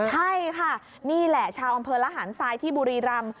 ใช่ค่ะนี่แหละชาวอำเภอระหารทรายที่บุรีรำ